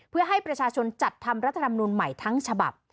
เพื่อให้ประชาชนจัดทำรัฐธรรมนุนใหม่ทั้งฉบับ